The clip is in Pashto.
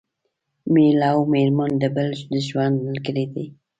مېړه او مېرمن یو د بل د ژوند ملګري دي